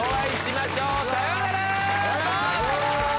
さようなら！